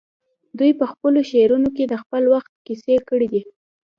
دوی په خپلو شعرونو کې د خپل وخت کیسې کړي دي